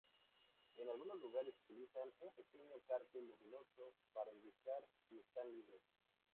En algunos lugares utilizan un pequeño cartel luminoso para indicar si están libres.